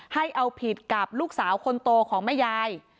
ให้เอาผิดกับลูกสาวคนโตของแม่ยาย